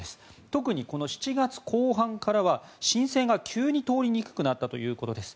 特にこの７月後半からは申請が急に通りにくくなったということです。